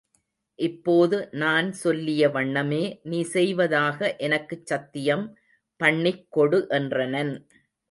இப்போது நான் சொல்லிய வண்ணமே நீ செய்வதாக எனக்குச் சத்தியம் பண்ணிக்கொடு என்றனன்.